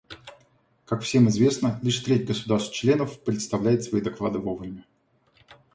Как всем известно, лишь треть государств-членов представляет свои доклады вовремя.